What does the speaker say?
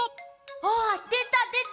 あっでたでた！